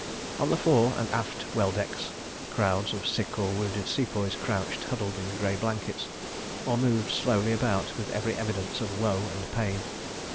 On the fore and aft well decks, crowds of sick or wounded Sepoys crouched huddled in grey blankets, or moved slowly about with every evidence of woe and pain.